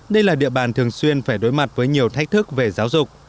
đây là địa bàn thường xuyên phải đối mặt với nhiều thách thức về giáo dục